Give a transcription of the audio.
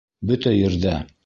Бөтә ерҙә!